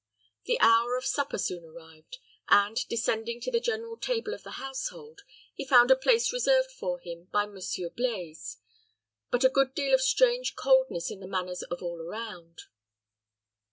The hour of supper soon arrived, and, descending to the general table of the household, he found a place reserved for him by Monsieur Blaize, but a good deal of strange coldness in the manners of all around.